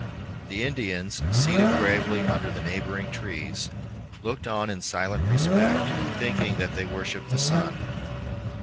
The Indians, seated gravely under the neighboring trees, looked on in silent respect, thinking that they worshipped the sun.